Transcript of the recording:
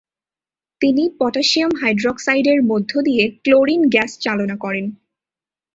তিনি potassium hydroxide এর মধ্য দিয়ে ক্লোরিন গ্যাস চালনা করেন।